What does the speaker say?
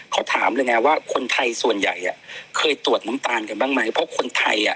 ขอถามเลยไงว่าคนไทยส่วนใหญ่อ่ะเคยตรวจน้ำตาลกันบ้างไหมเพราะคนไทยอ่ะ